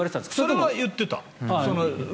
それは言ってた。